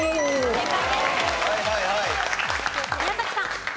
正解！